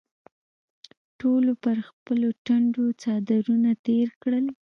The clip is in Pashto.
ټولو پر خپلو ټنډو څادرونه تېر کړل.